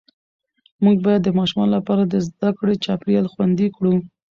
موږ باید د ماشومانو لپاره د زده کړې چاپېریال خوندي کړو